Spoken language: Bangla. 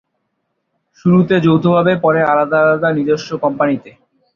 শুরুতে যৌথভাবে, পরে আলাদা আলাদা নিজস্ব কোম্পানিতে।